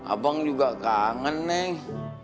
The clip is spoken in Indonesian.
abang juga kangen neng